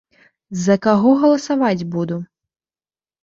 За каго галасаваць буду?